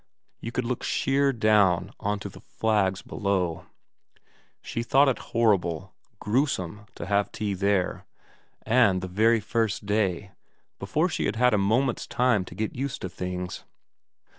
You could look sheer down on to the flags below. She thought it horrible, gruesome to have tea there, and the VERA 263 very first day, before she had had a moment's time to get used to things.